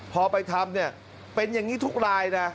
พอไปทำเนี่ยเป็นอย่างนี้ทุกรายนะ